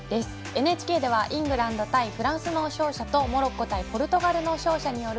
ＮＨＫではイングランド対フランス戦の勝者とモロッコ対ポルトガルの勝者による